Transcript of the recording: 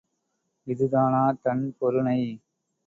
இதுதானா தண் பொருநை?